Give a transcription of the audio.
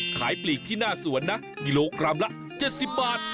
ปลีกที่หน้าสวนนะกิโลกรัมละ๗๐บาท